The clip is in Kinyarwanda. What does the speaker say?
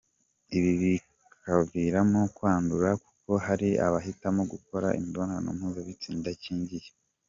Ibi bikabaviramo kwandura kuko hari abahitamo gukora imibonano mpuzabitsina idakingiye.